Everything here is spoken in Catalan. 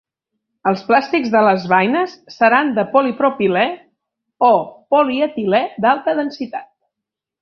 Els plàstics de les baines seran de polipropilè o polietilè d'alta densitat.